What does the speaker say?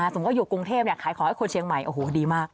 สมมุติอยู่กรุงเทพขายของให้คนเชียงใหม่โอ้โหดีมาก